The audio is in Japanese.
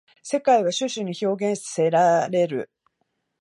世界は種々に表現せられる。